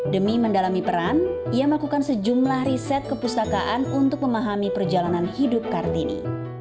demi mendalami peran ia melakukan sejumlah riset kepustakaan untuk memahami perjalanan hidup kartini